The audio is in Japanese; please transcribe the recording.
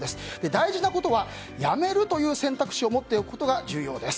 大事なことは、やめるという選択肢を持っておくことが重要です。